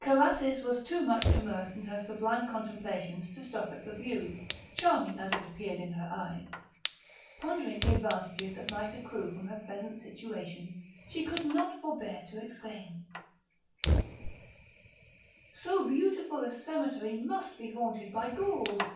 Carathis was too much immersed in her sublime contemplations to stop at the view, charming as it appeared in her eyes; pondering the advantages that might accrue from her present situation, she could not forbear to exclaim: "So beautiful a cemetery must be haunted by Gouls!